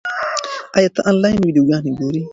ایا ته آنلاین ویډیوګانې ګورې؟